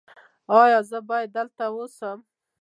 ایا زه باید دلته اوسم؟